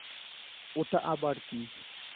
ওটা আবার কী?